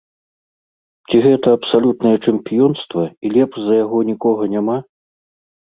Ці гэта абсалютнае чэмпіёнства і лепш за яго нікога няма?